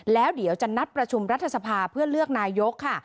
แล้วเดี๋ยวจะนัดประชุมรัฐสภาเพื่อเลือกนายกค่ะ